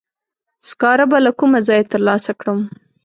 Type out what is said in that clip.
سکاره به له کومه ځایه تر لاسه کړم؟